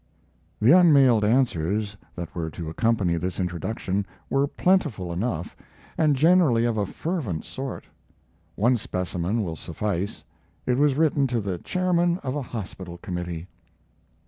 The unmailed answers that were to accompany this introduction were plentiful enough and generally of a fervent sort. One specimen will suffice. It was written to the chairman of a hospital committee.